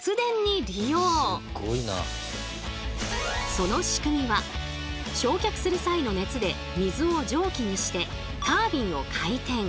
その仕組みは焼却する際の熱で水を蒸気にしてタービンを回転。